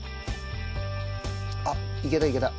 あっいけたいけた。